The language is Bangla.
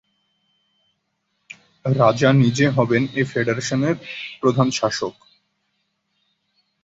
রাজা নিজে হবেন এ ফেডারেশনের প্রধান শাসক।